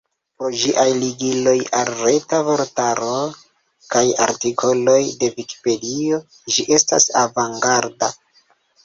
Pro ĝiaj ligiloj al Reta Vortaro kaj artikoloj de Vikipedio ĝi estas avangarda.